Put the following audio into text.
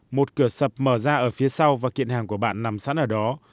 một cửa sập mở ra ở phía sau và kiện hàng của bạn nằm sẵn ở đó